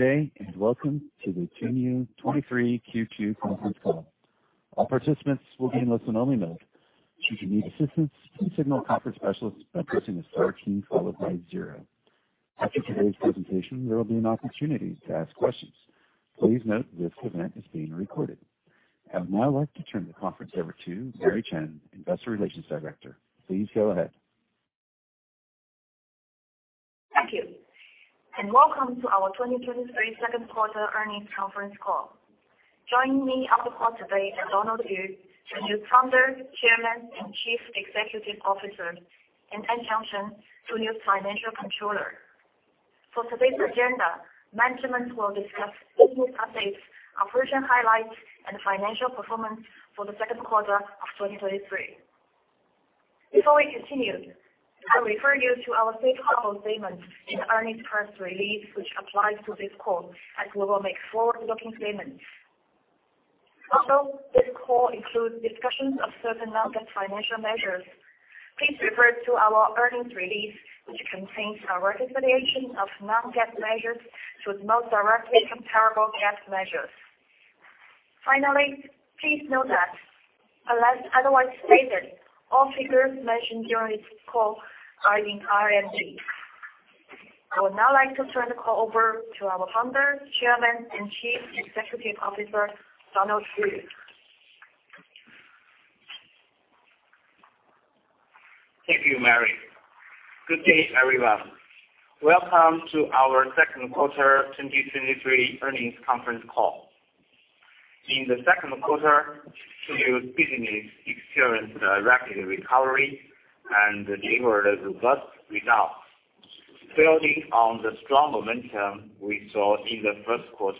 Good day, welcome to the Tuniu 2023 Q2 Conference Call. All participants will be in listen-only mode. If you need assistance, please signal conference specialist by pressing the star key followed by zero. After today's presentation, there will be an opportunity to ask questions. Please note this event is being recorded. I would now like to turn the conference over to Mary Chen, Investor Relations Director. Please go ahead. Thank you, and welcome to our 2023 Q2 Earnings Conference Call. Joining me on the call today is Dunde Yu, Tuniu Founder, Chairman, and Chief Executive Officer, and Anqiang Ye, Tuniu's Financial Controller. For today's agenda, management will discuss business updates, operation highlights, and financial performance for the Q2 of 2023. Before we continue, I refer you to our safe harbor statement in the earnings press release, which applies to this call as we will make forward-looking statements. This call includes discussions of certain non-GAAP financial measures. Please refer to our earnings release, which contains a reconciliation of non-GAAP measures to the most directly comparable GAAP measures. Please note that unless otherwise stated, all figures mentioned during this call are in RMB. I would now like to turn the call over to our Founder, Chairman, and Chief Executive Officer, Dunde Yu. Thank you, Mary. Good day, everyone. Welcome to our Q2 2023 earnings conference call. In the Q2, Tuniu's business experienced a rapid recovery and delivered a robust result, building on the strong momentum we saw in the Q1.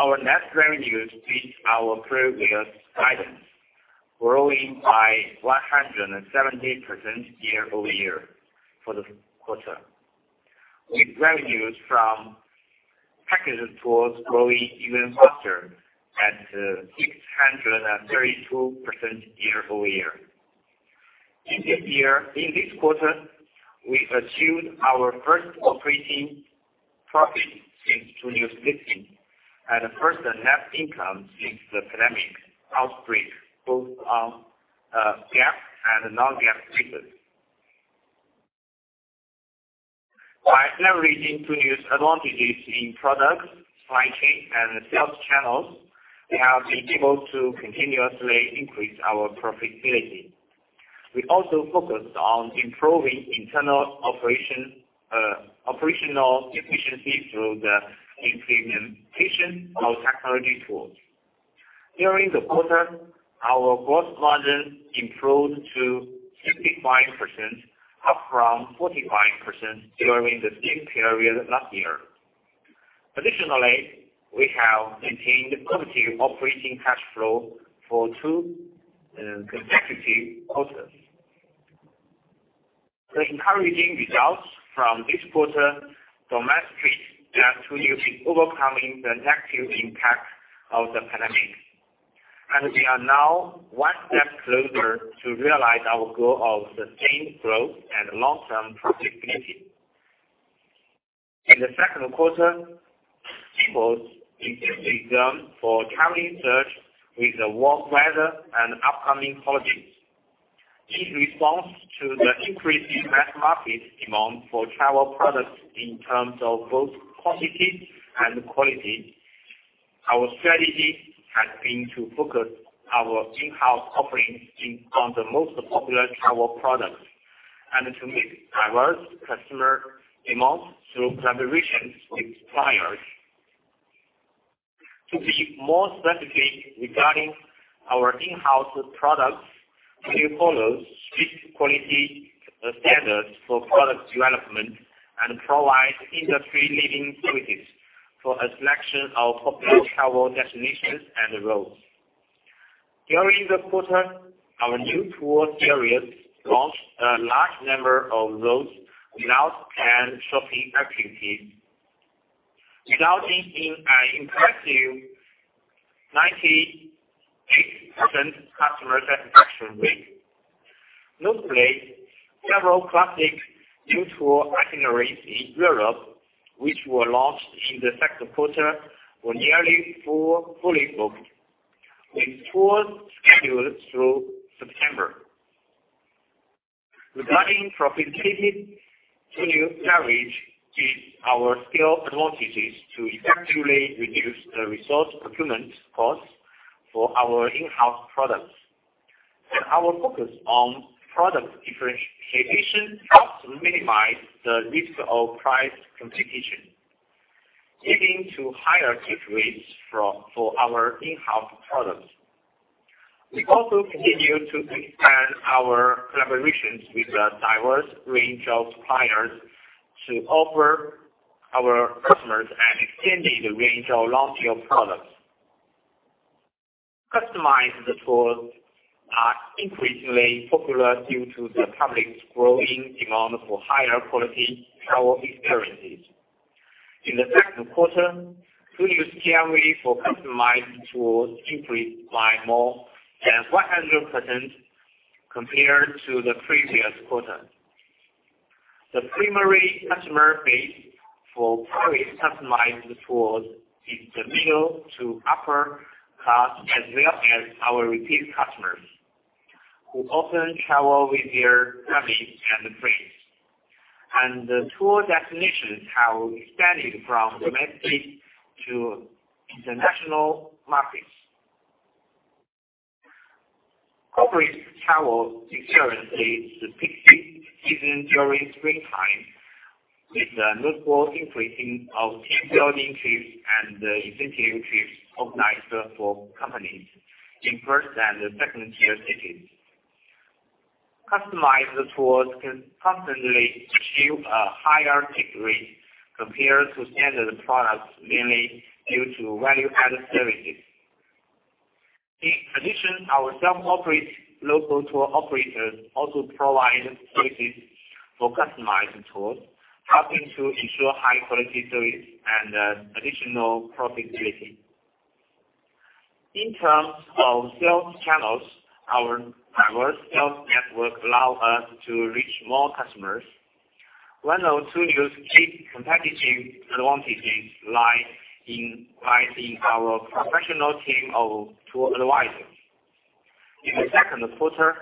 Our net revenues beat our previous guidance, growing by 170% year-over-year for the quarter, with revenues from package tours growing even faster at 632% year-over-year. In this year-- In this quarter, we achieved our first operating profit since 2016, and the first net income since the pandemic outbreak, both on GAAP and non-GAAP basis. By leveraging Tuniu's advantages in products, supply chain, and sales channels, we have been able to continuously increase our profitability. We also focused on improving internal operation, operational efficiency through the implementation of technology tools. During the quarter, our gross margin improved to 65%, up from 45% during the same period last year. Additionally, we have maintained positive operating cash flow for 2 consecutive quarters. The encouraging results from this quarter demonstrate that Tuniu is overcoming the negative impact of the pandemic, and we are now one step closer to realize our goal of sustained growth and long-term profitability. In the Q2, people's interest has grown for traveling search with the warm weather and upcoming holidays. In response to the increasing mass market demand for travel products in terms of both quantity and quality, our strategy has been to focus our in-house offerings on the most popular travel products and to meet diverse customer demands through collaborations with suppliers. To be more specific regarding our in-house products, we follow strict quality standards for product development and provide industry-leading services for a selection of popular travel destinations and routes. During the quarter, our Niu Tour series launched a large number of routes, routes, and shopping activities, resulting in an impressive 98% customer satisfaction rate. Notably, several classic Niu Tour itineraries in Europe, which were launched in Q2, were nearly full, fully booked, with tours scheduled through September. Regarding profitability, Tuniu leverage is our scale advantages to effectively reduce the resource procurement costs for our in-house products. Our focus on product differentiation helps minimize the risk of price competition, leading to higher take rates from- for our in-house products. We also continue to expand our collaborations with a diverse range of suppliers to offer our customers an extended range of long-tail products. Customized tours are increasingly popular due to the public's growing demand for higher quality travel experiences. In the Q2, Tuniu's revenue for customized tours increased by more than 100%... compared to the previous quarter. The primary customer base for fully customized tours is the middle to upper class, as well as our repeat customers, who often travel with their families and friends. The tour destinations have expanded from domestic to international markets. Corporate travel experiences is the peak season during springtime, with a notable increasing of team building trips and incentive trips organized for companies in first and the second tier cities. Customized tours can constantly achieve a higher degree compared to standard products, mainly due to value-added services. In addition, our self-operated local tour operators also provide services for customized tours, helping to ensure high quality service and additional profitability. In terms of sales channels, our diverse sales network allow us to reach more customers. One of Tuniu's key competitive advantages lie in, lies in our professional team of tour advisors. In the Q2,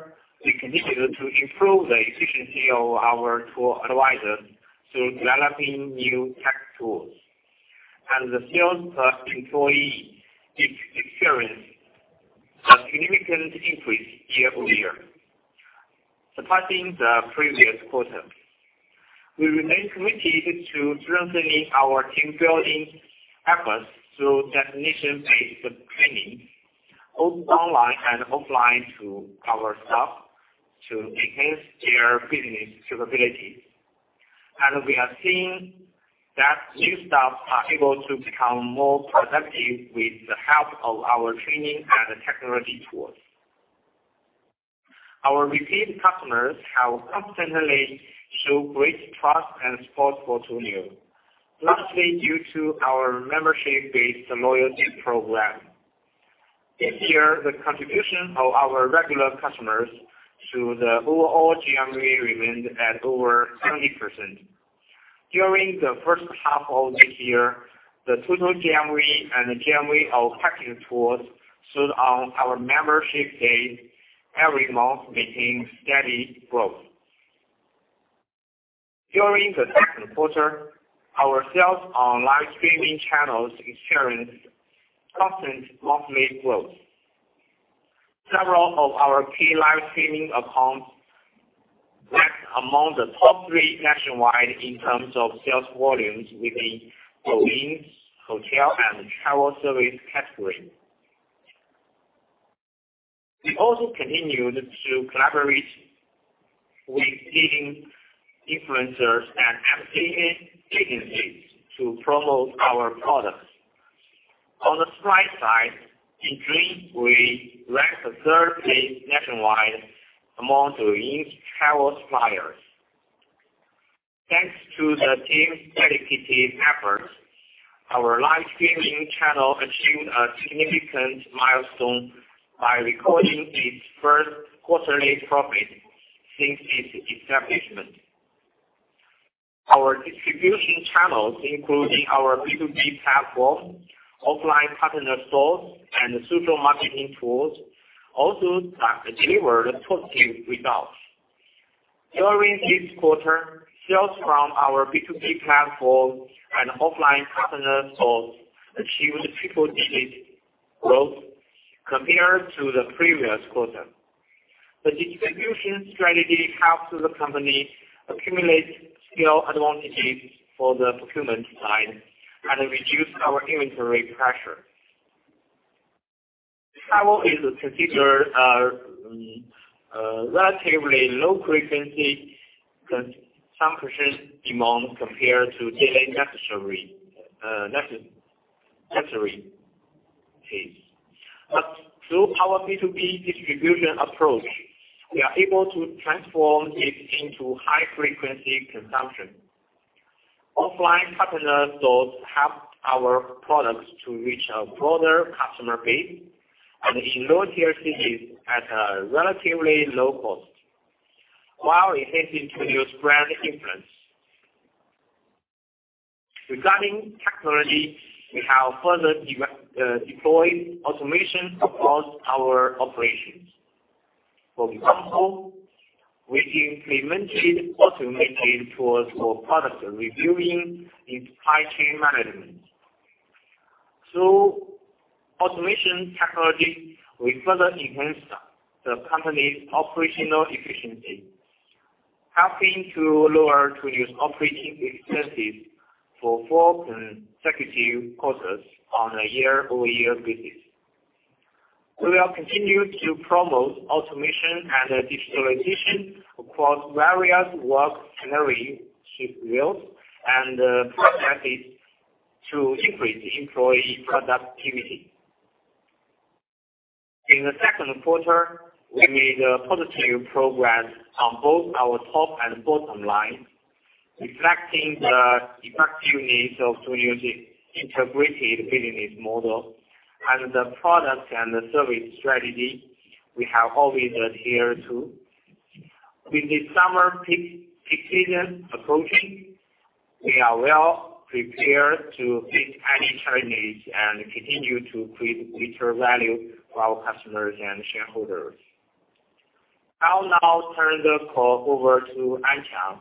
we continued to improve the efficiency of our tour advisors through developing new tech tools, and the sales per employee experienced a significant increase year-over-year, surpassing the previous quarter. We remain committed to strengthening our team building efforts through destination-based training, both online and offline, to our staff to enhance their business capabilities. We are seeing that new staff are able to become more productive with the help of our training and technology tools. Our repeat customers have constantly show great trust and support for Tuniu, largely due to our membership-based loyalty program. This year, the contribution of our regular customers to the overall GMV remained at over 70%. During the first half of this year, the total GMV and GMV of package tours sold on our Membership Day every month maintained steady growth. During the Q2, our sales on live streaming channels experienced constant monthly growth. Several of our key live streaming accounts ranked among the top three nationwide in terms of sales volumes within the trips, hotel, and travel service category. We also continued to collaborate with leading influencers and MCN agencies to promote our products. On the supply side, in Q3, we ranked third place nationwide among Tuniu travel suppliers. Thanks to the team's dedicated efforts, our live streaming channel achieved a significant milestone by recording its first quarterly profit since its establishment. Our distribution channels, including our B2B platform, offline partner stores, and social marketing tools, also delivered positive results. During this quarter, sales from our B2B platform and offline partner stores achieved triple-digit growth compared to the previous quarter. The distribution strategy helps the company accumulate scale advantages for the procurement side and reduce our inventory pressure. Travel is considered a relatively low-frequency consumption demand compared to daily necessary necessity. Through our B2B distribution approach, we are able to transform it into high-frequency consumption. Offline partner stores help our products to reach a broader customer base and in lower tier cities at a relatively low cost, while it helps to build brand influence. Regarding technology, we have further deployed automation across our operations. For example, we implemented automated tools for product reviewing and supply chain management. Through automation technology, we further enhanced the company's operational efficiency, helping to lower Tuniu's operating expenses for four consecutive quarters on a year-over-year basis. We will continue to promote automation and digitalization across various work scenarios, and processes to increase employee productivity. In the Q2, we made a positive progress on both our top and bottom line. reflecting the effectiveness of Tuniu's integrated business model and the product and the service strategy we have always adhered to. With the summer peak season approaching, we are well prepared to face any challenges and continue to create greater value for our customers and shareholders. I'll now turn the call over to Anqiang,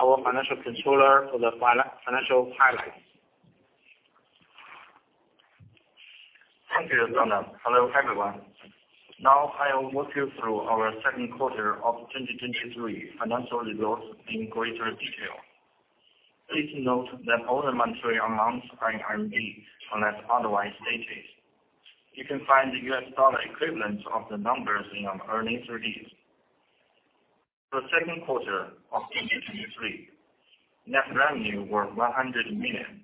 our Financial Controller, for the financial highlights. Thank you, Dunde. Hello, everyone. Now I'll walk you through our Q2 of 2023 financial results in greater detail. Please note that all the monetary amounts are in RMB, unless otherwise stated. You can find the US dollar equivalents of the numbers in our earnings release. For Q2 of 2023, net revenue were 100 million,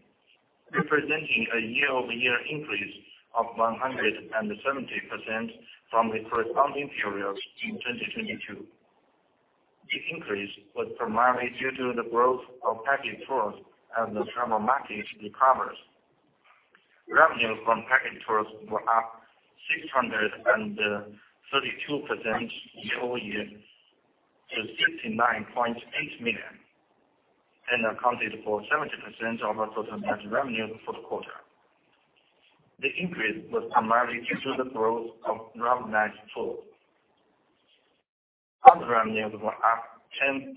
representing a year-over-year increase of 170% from the corresponding period in 2022. The increase was primarily due to the growth of packaged tours and the travel market recovery. Revenue from packaged tours were up 632% year-over-year to 59.8 million, and accounted for 70% of our total net revenue for the quarter. The increase was primarily due to the growth of organized tours. Other revenues were up 10%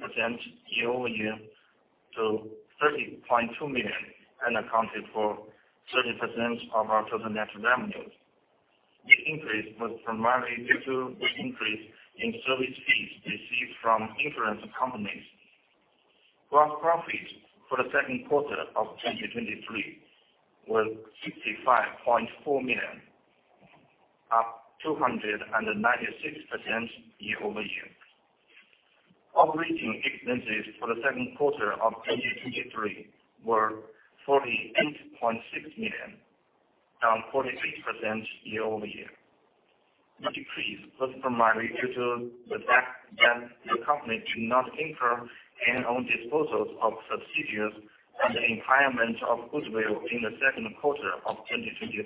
year-over-year to 30.2 million and accounted for 30% of our total net revenues. The increase was primarily due to the increase in service fees received from insurance companies. Gross profit for the Q2 of 2023 was RMB 65.4 million, up 296% year-over-year. Operating expenses for the Q2 of 2023 were 48.6 million, down 43% year-over-year. The decrease was primarily due to the fact that the company did not incur gain on disposals of subsidiaries and the impairment of goodwill in the Q2 of 2023.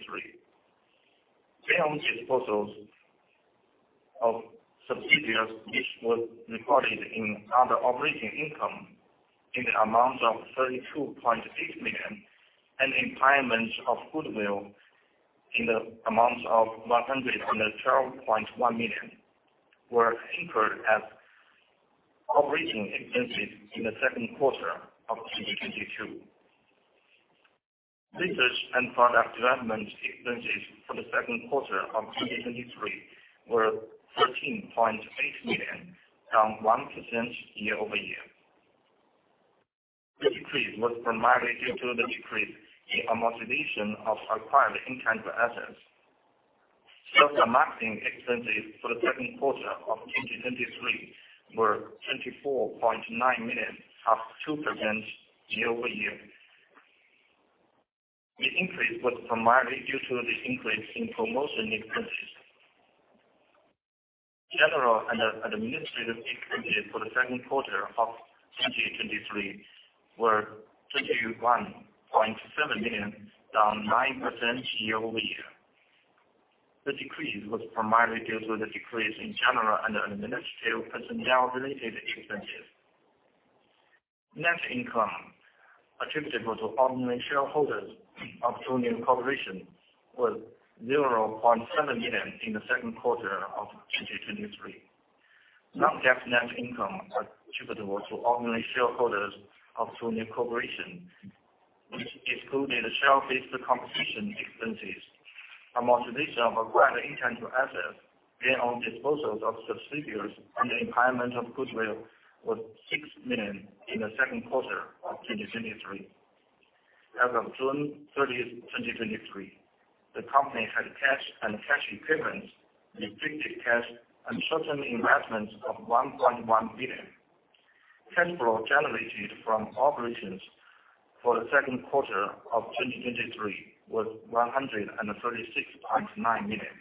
Gain on disposals of subsidiaries, which was recorded in other operating income in the amount of 32.6 million and impairment of goodwill in the amount of 112.1 million, were incurred as operating expenses in the Q2 of 2022. Research and product development expenses for the Q2 of 2023 were 13.8 million, down 1% year-over-year. The decrease was primarily due to the decrease in amortization of acquired intangible assets. Sales and marketing expenses for the Q2 of 2023 were 24.9 million, up 2% year-over-year. The increase was primarily due to the increase in promotion expenses. General and administrative expenses for the Q2 of 2023 were 21.7 million, down 9% year-over-year. The decrease was primarily due to the decrease in general and administrative personnel-related expenses. Net income attributable to ordinary shareholders of Tuniu Corporation was 0.7 million in the Q2 of 2023. Non-GAAP net income attributable to ordinary shareholders of Tuniu Corporation, which excluded share-based compensation expenses, amortization of acquired intangible assets, gain on disposals of subsidiaries, and the impairment of goodwill, was 6 million in the Q2 of 2023. As of June 30th, 2023, the company had cash and cash equivalents, restricted cash, and certain investments of 1.1 billion. Cash flow generated from operations for the Q2 of 2023 was 136.9 million.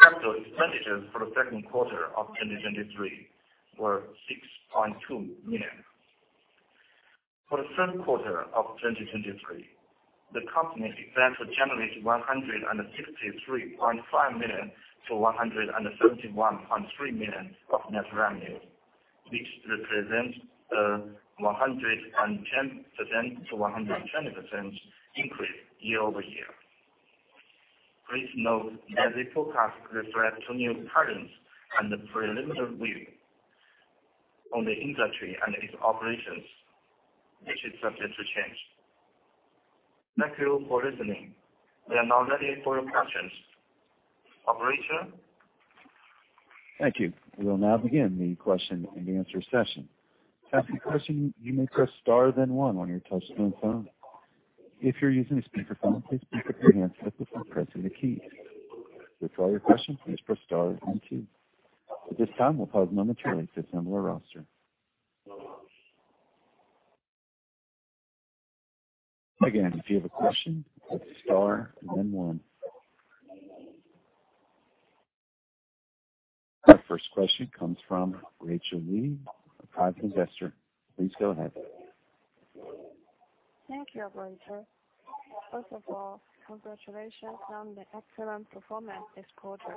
Capital expenditures for the Q2 of 2023 were 6.2 million. For the Q3 of 2023, the company expects to generate 163.5 million-171.3 million of net revenue, which represents a 110%-120% increase year-over-year. Please note that the forecast reflects Tuniu's current and preliminary view on the industry and its operations, which is subject to change. Thank you for listening. We are now ready for your questions. Operator? Thank you. We will now begin the question and answer session. To ask a question, you may press star then one on your touchtone phone. If you're using a speakerphone, please pick up your handset before pressing the key. To withdraw your question, please press star then two. At this time, we'll pause momentarily to assemble our roster. Again, if you have a question, press star then one. Our first question comes from Rachel Lee, Private Investor. Please go ahead. Thank you, operator. First of all, congratulations on the excellent performance this quarter.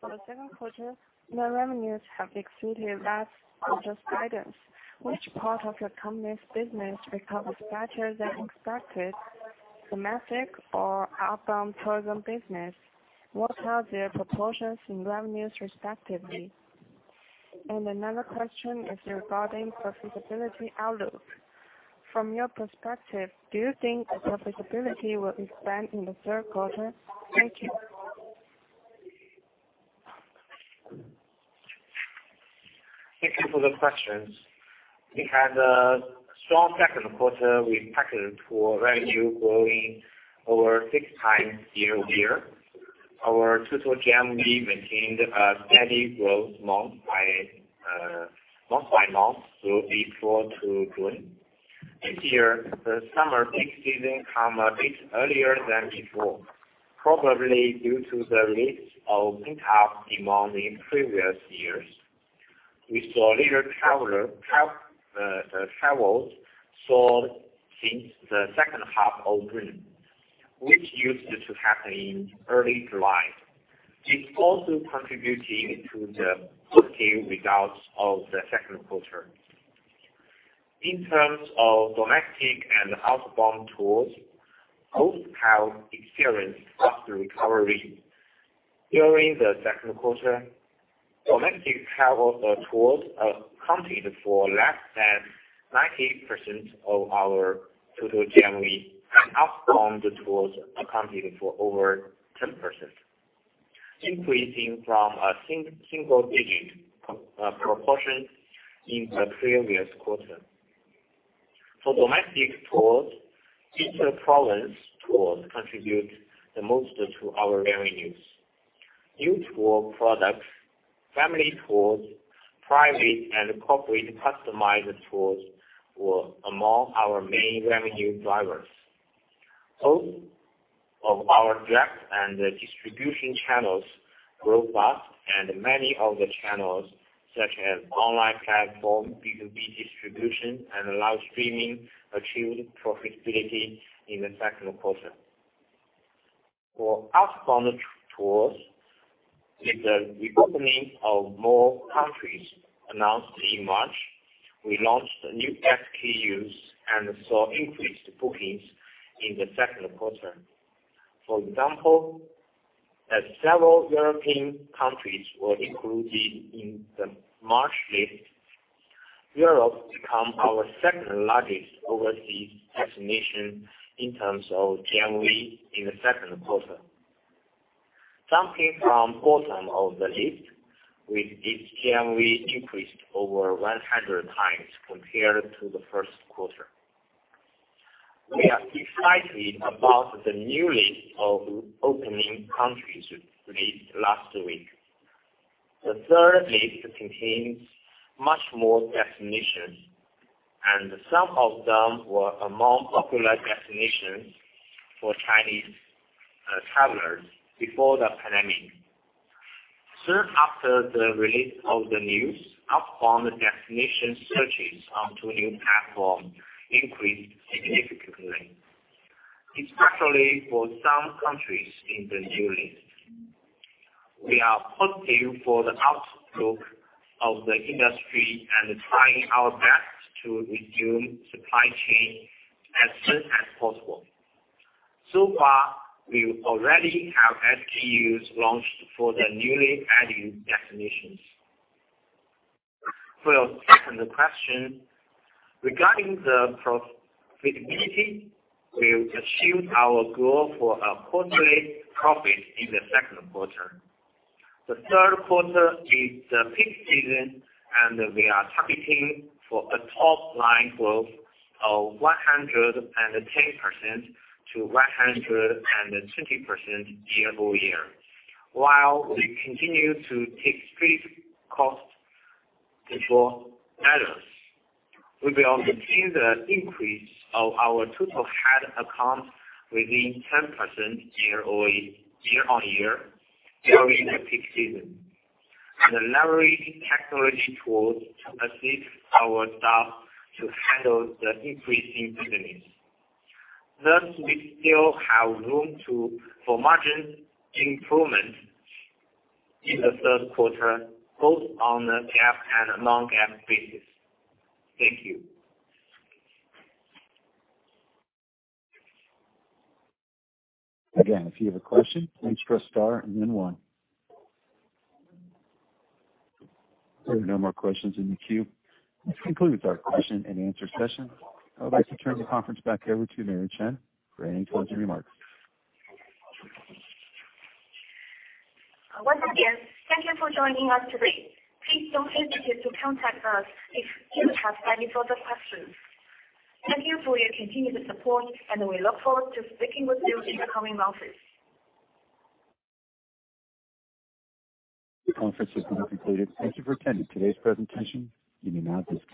For the Q2, your revenues have exceeded last quarter's guidance. Which part of your company's business recovers better than expected, domestic or outbound tourism business? What are their proportions in revenues, respectively? Another question is regarding profitability outlook. From your perspective, do you think the profitability will expand in the Q3? Thank you. Thank you for the questions. We had a strong Q2 with package tour revenue growing over six times year-over-year. Our total GMV maintained a steady growth month-by-month through April to June. This year, the summer peak season come a bit earlier than before, probably due to the lift of pent-up demand in previous years. We saw the travel surge start since the second half of June, which used to happen in early July. It's also contributing to the good results of the Q2 In terms of domestic and outbound tours, both have experienced faster recovery. During the Q2, domestic travel tours accounted for less than 90% of our total GMV, and outbound tours accounted for over 10%, increasing from a single-digit proportion in the previous quarter. For domestic tours, inter-province tours contribute the most to our revenues. New tour products, family tours, private and corporate customized tours were among our main revenue drivers. All of our direct and distribution channels grew fast, and many of the channels, such as online platform, B2B distribution, and live streaming, achieved profitability in the Q2. For outbound tours, with the reopening of more countries announced in March, we launched new SKUs and saw increased bookings in the Q2. For example, as several European countries were included in the March list, Europe become our second-largest overseas destination in terms of GMV in the Q2. Jumping from bottom of the list, with its GMV increased over 100 times compared to the Q1. We are excited about the new list of opening countries released last week. The third list contains much more destinations. Some of them were among popular destinations for Chinese travelers before the pandemic. Soon after the release of the news, outbound destination searches on Tuniu platform increased significantly, especially for some countries in the new list. We are positive for the outlook of the industry and trying our best to resume supply chain as soon as possible. So far, we already have SKUs launched for the newly added destinations. For your second question, regarding the profitability, we've achieved our goal for a quarterly profit in the Q2. The Q3 is the peak season. We are targeting for a top line growth of 110%-120% year-over-year, while we continue to take strict cost control measures. We will maintain the increase of our total head count within 10% year-over-year during the peak season, and leverage technology tools to assist our staff to handle the increasing business. Thus, we still have room for margin improvement in the Q3, both on a GAAP and non-GAAP basis. Thank you. If you have a question, please press star and then one. There are no more questions in the queue. This concludes our question and answer session. I would like to turn the conference back over to Mary Chen for any closing remarks. Once again, thank you for joining us today. Please don't hesitate to contact us if you have any further questions. Thank you for your continued support, and we look forward to speaking with you in the coming months. The conference has been concluded. Thank you for attending today's presentation. You may now disconnect.